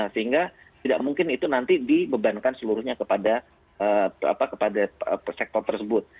sehingga tidak mungkin itu nanti dibebankan seluruhnya kepada sektor tersebut